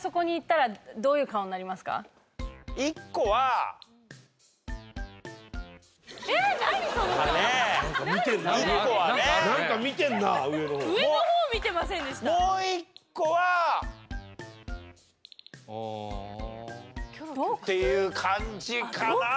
もう一個は。っていう感じかなあ。